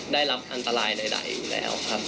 ได้รับอันตรายใดอยู่แล้วครับ